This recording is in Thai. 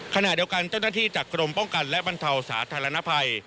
ขณะเดียวกันเจ้าหน้าที่จากกรมป้องกันและบรรเทาสาธารณภัย